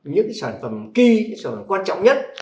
những sản phẩm kỳ sản phẩm quan trọng nhất